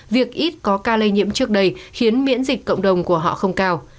việc ít có ca lây nhiễm trước đây khiến miễn dịch cộng đồng của họ không cao